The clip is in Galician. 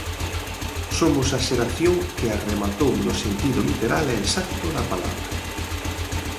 Somos a xeración que a rematou no sentido literal e exacto da palabra.